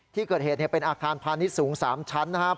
ที่เกิดเหตุเป็นอาคารพาณิชย์สูง๓ชั้นนะครับ